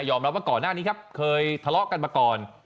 รับว่าก่อนหน้านี้ครับเคยทะเลาะกันมาก่อน